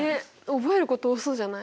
覚えること多そうじゃない？